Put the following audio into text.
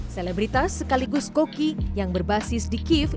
selebritas sekaligus koki yang berbasis di kiev